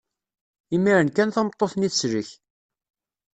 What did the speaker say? Imiren kan tameṭṭut-nni teslek.